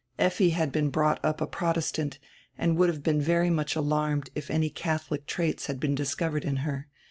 Effi had been brought up a Protestant and would have been very much alarmed if any Catholic traits had been discovered in her.